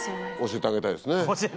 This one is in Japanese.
教えてあげたいですね。